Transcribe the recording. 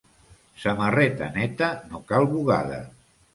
Samarreta neta, no cal bugada.